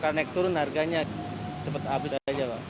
karena turun harganya cepat habis saja